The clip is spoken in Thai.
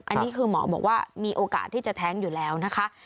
อันนี้คือหมอบอกว่ามีโอกาสที่จะแท้งอยู่แล้วนะคะ